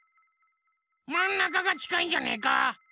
まんなかがちかいんじゃねえか？